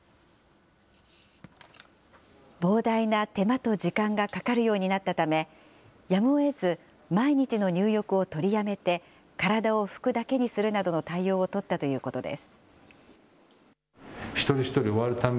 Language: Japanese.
膨大な手間と時間がかかるようになったため、やむをえず、毎日の入浴を取りやめて、体を拭くだけにするなどの対応を取ったということです。